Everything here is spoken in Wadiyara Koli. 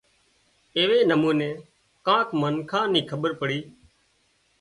ايوي نموني ڪانڪ منکان نين کٻير پڙي